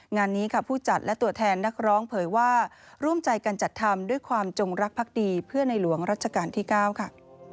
งานนี้ค่ะผู้จัดและตัวแทนนักร้องเผยว่าร่วมใจกันจัดทำด้วยความจงรักภักดีเพื่อในหลวงรัชกาลที่๙ค่ะ